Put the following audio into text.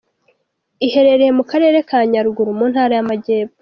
Iherereye mu Karere ka Nyaruguru, mu Ntara y’Amajyepfo.